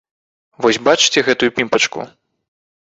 Вось бачыце гэтую пімпачку?